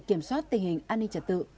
để kiểm soát tình hình an ninh trật tự